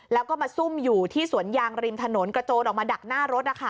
แล้วก็มาซุ่มอยู่ที่สวนยางริมถนนกระโจนออกมาดักหน้ารถ